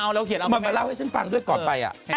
มันมาเล่าให้ฉันฟังด้วยก่อนไป